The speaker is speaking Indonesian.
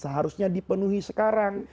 seharusnya dipenuhi sekarang